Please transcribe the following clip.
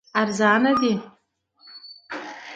ارزانه دي.